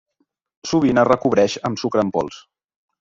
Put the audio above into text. Sovint es recobreix amb sucre en pols.